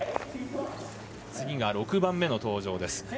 次が６番目の登場です。